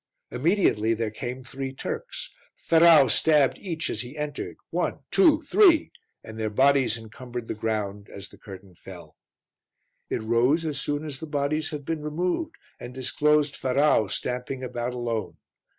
Immediately there came three Turks; Ferrau stabbed each as he entered one, two, three and their bodies encumbered the ground as the curtain fell. It rose as soon as the bodies had been removed and disclosed Ferrau stamping about alone.